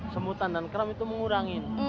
semutan dan kram itu mengurangi